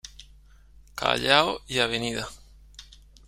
Callao y Av.